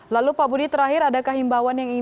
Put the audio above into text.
lalu pak budi terakhir ada kahimbawan yang ingin